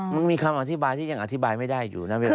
มันมีคำอธิบายที่ยังอธิบายไม่ได้อยู่นะเวลา